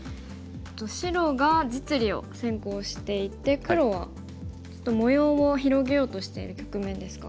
白が実利を先行していて黒はちょっと模様を広げようとしている局面ですか？